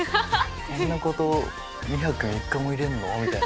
こんな子と２泊３日もいられるの？みたいな。